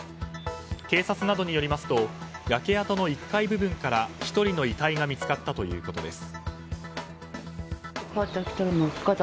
警察などによりますと焼け跡の１階部分から１人の遺体が見つかったということです。